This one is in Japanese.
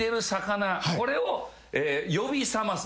これを呼び覚ます。